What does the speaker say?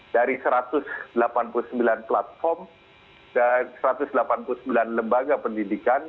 dari satu ratus delapan puluh sembilan platform dan satu ratus delapan puluh sembilan lembaga pendidikan